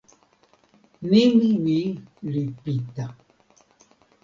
nimi mi li Pita.